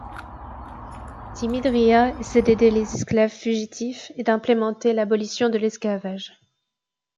Timidria essaye d'aider les esclaves fugitifs et d'implémenter l'abolition de l'esclavage.